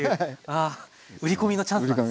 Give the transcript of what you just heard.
あ売り込みのチャンスなんですね。